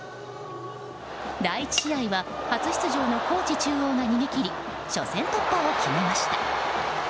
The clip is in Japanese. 第１試合は初出場の高知中央が逃げ切り初戦突破を決めました。